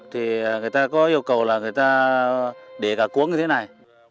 thì người ta có yêu cầu là người ta để cả cuốn như thế này